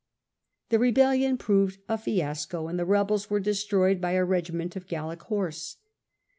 The rebellion proved a fiasco, and the rebels were destroyed by a regiment of Gallic horse.